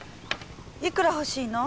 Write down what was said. いくら欲しいの？